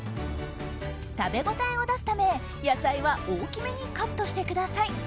食べ応えを出すため、野菜は大きめにカットしてください。